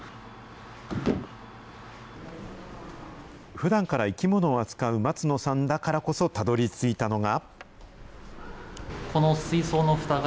ふだんから生き物を扱う松野さんだからこそたどりついたのが。